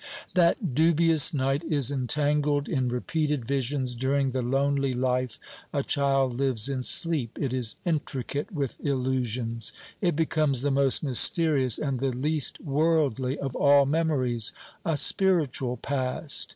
That dubious night is entangled in repeated visions during the lonely life a child lives in sleep; it is intricate with illusions. It becomes the most mysterious and the least worldly of all memories, a spiritual past.